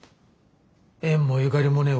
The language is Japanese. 縁もゆかりもねえ